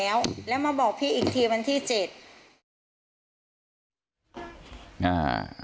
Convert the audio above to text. แล้วมาบอกพี่อีกทีวันที่๗